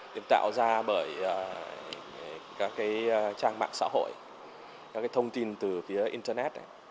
được tạo ra bởi các trang mạng xã hội các thông tin từ phía internet